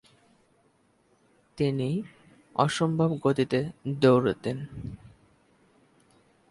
তিনি অসম্ভব গতিতে দৌঁড়ুতেন।